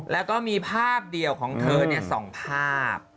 แล้วก็มีภาพเดียวของเธอเนี่ยสองภาพ